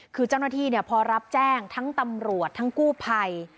คือเจ้าหน้าที่พอรับแจ้งทั้งตำรวจทั้งกู้ภัย